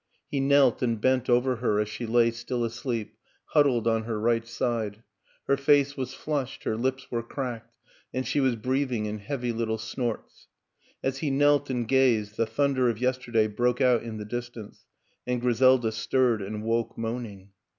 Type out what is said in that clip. He knelt and bent over her as she lay still asleep, huddled on her right side; her face was flushed, her lips were cracked, and she was breathing in heavy little snorts. As he knelt and gazed the thunder of yesterday broke out in the distance, and Griselda stirred and woke moan ing.